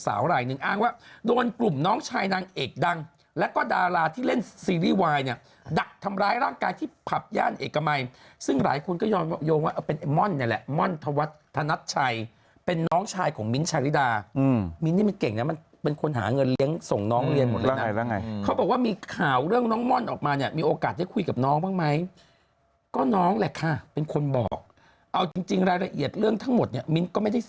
ศักดิ์สาวหลายหนึ่งอ้างว่าโดนกลุ่มน้องชายนางเอกดังและก็ดาราที่เล่นซีรีส์วายเนี่ยดักทำร้ายร่างกายที่ผับย่านเอกมัยซึ่งหลายคนก็ยอมโยงว่าเป็นม่อนนี่แหละม่อนทวัฒน์ธนัดชัยเป็นน้องชายของมิ้นท์ชาฬิดามิ้นนี่มันเก่งนะมันเป็นคนหาเงินเลี้ยงส่งน้องเรียนหมดแล้วไงแล้วไงเขาบอกว่ามี